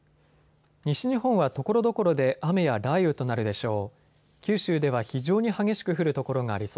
西日本はところどころで雨や雷雨となるでしょう。